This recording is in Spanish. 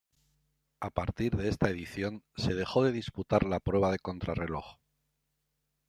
A partir de esta edición se dejo de disputar la prueba de contrarreloj.